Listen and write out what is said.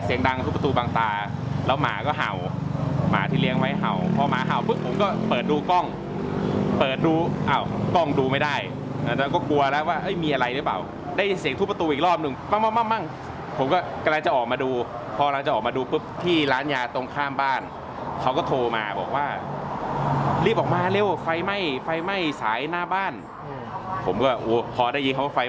มีความรู้สึกว่ามีความรู้สึกว่ามีความรู้สึกว่ามีความรู้สึกว่ามีความรู้สึกว่ามีความรู้สึกว่ามีความรู้สึกว่ามีความรู้สึกว่ามีความรู้สึกว่ามีความรู้สึกว่ามีความรู้สึกว่ามีความรู้สึกว่ามีความรู้สึกว่ามีความรู้สึกว่ามีความรู้สึกว่ามีความรู้สึกว